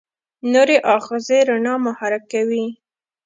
نوري آخذه رڼا محرک کوي.